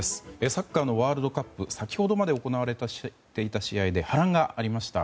サッカーのワールドカップ先ほどまで行われていた試合で波乱がありました。